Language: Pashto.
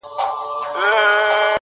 له اورنګه یې عبرت نه وو اخیستی٫